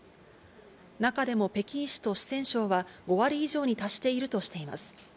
中でも北京市と四川省は５割以上に達しているとしています。